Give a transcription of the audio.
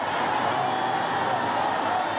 โอ้โอ้โอ้